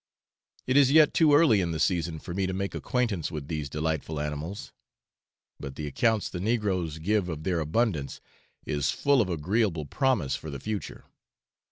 It is yet too early in the season for me to make acquaintance with these delightful animals; but the accounts the negroes give of their abundance is full of agreeable promise for the future.